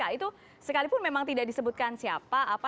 nah itu sekalipun memang tidak disebutkan siapa apa